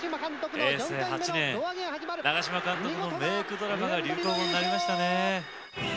平成８年長嶋監督の「メークドラマ」が流行語になりましたね。